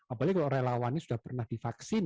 apalagi kalau relawannya sudah pernah divaksin